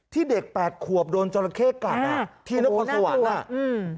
เด็กแปดขวบโดนจราเข้กัดอ่ะที่นครสวรรค์อ่ะอืม